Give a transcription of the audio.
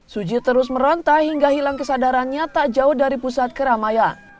suci terus merontah hingga hilang kesadarannya tak jauh dari pusat keramaya